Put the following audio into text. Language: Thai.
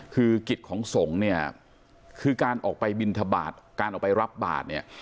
คือกฤทธิ์ของสงฆ์คือการออกไปบินทบาทการออกไปรับบาด